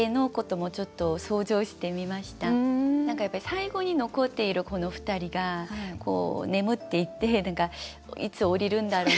何かやっぱり最後に残っているこの「ふたり」が眠っていって何かいつ降りるんだろうなみたいな。